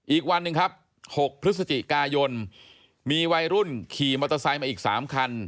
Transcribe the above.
อีกวันหนึ่งครับ๖พฤศจิกายนมีวัยรุ่นขี่มอเตอร์ไซค์มาอีก๓คัน